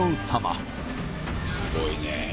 すごいね。